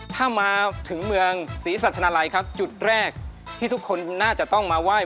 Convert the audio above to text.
ถ้ามาถึงเมืองศรีสัชนาลัยครับจุดแรกที่ทุกคนน่าจะต้องมาไหว้